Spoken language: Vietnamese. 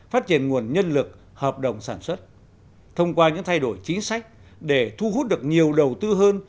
phát triển nguồn nhân lực hợp đồng sản xuất thông qua những thay đổi chính sách để thu hút được nhiều đầu tư hơn